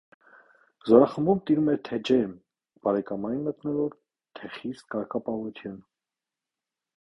Զորախմբում տիրում էր թե՛ ջերմ, բարեկամային մթնոլորտ, թե՛ խիստ կարգապահություն։